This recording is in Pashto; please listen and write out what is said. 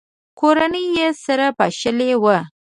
کورنۍ یې سره پاشلې وه.